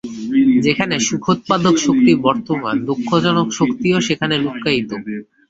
যেখানে সুখোৎপাদক শক্তি বর্তমান, দুঃখজনক শক্তিও সেইখানে লুক্কায়িত।